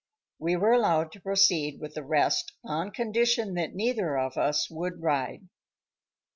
We were allowed to proceed with the rest on condition that neither of us would ride.